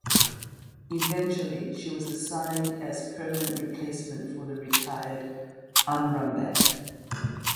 Eventually she was assigned as permanent replacement for the retired "Amrumbank".